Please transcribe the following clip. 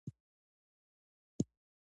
څوک چې د ترلاسه کولو لپاره له استوګنځیو وتلي.